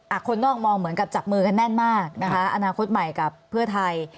คนนอกมองเหมือนกับจับมือกันแน่นมากนะคะอนาคตใหม่กับเพื่อไทย